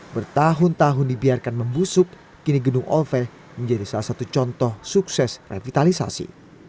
bertahun tahun dibiarkan membusuk kini gedung olve menjadi salah satu contoh sukses revitalisasi